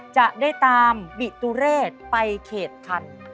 จะได้ตามบิตุเรศไปเขตคัน